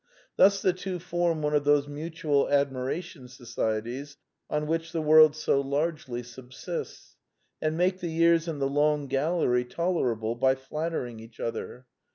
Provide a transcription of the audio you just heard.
Thus the two form one of those Mutual Admiration Societies on which the world so largely subsists, and make the years in the long gallery tolerable by flattering each other.